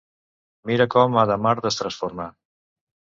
Mira com Hadamard es transforma.